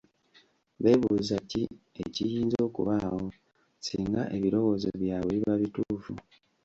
Beebuuza ki ekiyinza okubaawo singa ebirowoozo byabwe biba bituufu.